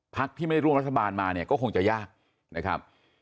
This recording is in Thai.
ที่ไม่ได้ร่วมรัฐบาลมาเนี่ยก็คงจะยากนะครับ